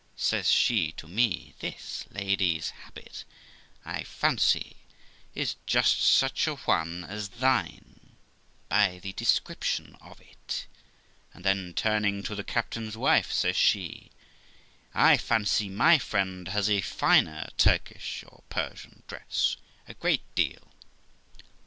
Says she to me, 'This lady's habit, I fancy, is just such a one as thine, by the description of it'; and then, turning to the captain's wife, says she, ' I fancy my friend has a finer Turkish or Persian dress, a great deal.'